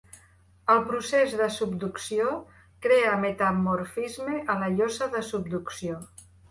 El procés de subducció crea metamorfisme a la llosa de subducció.